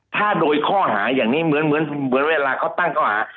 ถ้าโดยข้อหาอย่างนี้เหมือนเวลาเขาตั้งข้อหา